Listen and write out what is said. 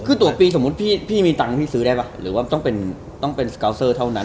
คือตัวปีสมมุติพี่มีตังค์พี่ซื้อได้ป่ะหรือว่าต้องเป็นสกาวเซอร์เท่านั้น